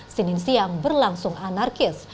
senin siang berlangsung anarkis